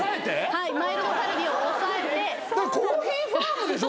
はいマイルドカルディを抑えてコーヒーファームでしょ？